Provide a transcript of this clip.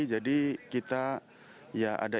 jadi kita ya ada